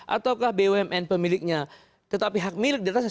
ataukah bumn pemiliknya tetapi hak milik di atasnya